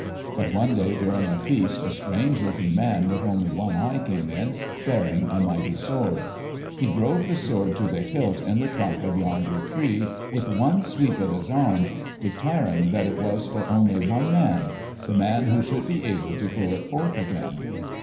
But one day during a feast a strange looking man with only one eye came in, bearing a mighty sword. He drove the sword to the hilt in the trunk of yonder tree, with one sweep of his arm, declaring that it was for only one man—the man who should be able to pull it forth again.